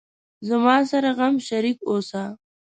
زما سره غم شریک اوسه